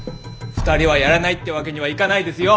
２人はやらないってわけにはいかないですよ。